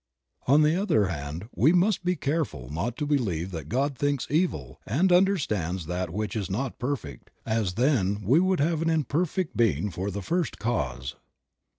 On the other hand we must be careful not to believe that God thinks evil and understands that which is not perfect, as then we would have an imperfect being for the First Cause.